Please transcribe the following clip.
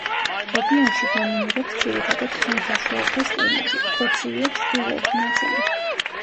რეგიონში დომინირებს ძირითადად ხმელთაშუაზღვის კლიმატი, უფრო ცივია ჩრდილოეთი ნაწილი.